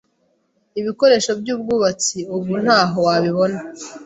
ibikoresho by’ubwubatsi ubu ntaho wabibona